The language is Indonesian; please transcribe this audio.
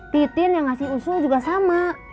pitin yang ngasih usul juga sama